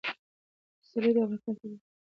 پسرلی د افغانستان د طبیعي پدیدو یو رنګ دی.